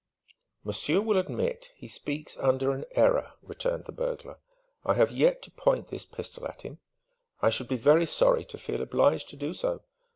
"Monsieur will admit he speaks under an error," returned the burglar. "I have yet to point this pistol at him. I should be very sorry to feel obliged to do so.